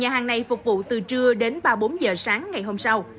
hàng này phục vụ từ trưa đến ba bốn giờ sáng ngày hôm sau